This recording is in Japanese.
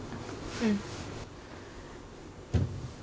うん。